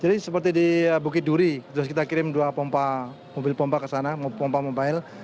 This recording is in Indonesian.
jadi seperti di bukit duri terus kita kirim dua mobil pompa ke sana pompa mobil